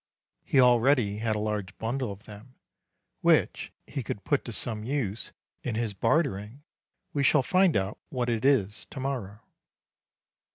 He already had a large bundle of them which he could put to some use in his bartering we shall find out what it is to morrow.